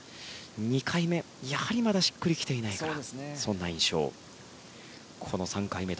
２回目、やはりまだしっくり来ていない印象。